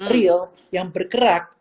real yang bergerak